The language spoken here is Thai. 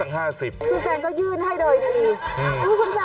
คุณแซนก็ยื่นให้โดยดี